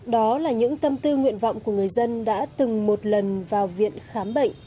đó là những tâm tư nguyện vọng của người dân đã từng một lần vào viện khám bệnh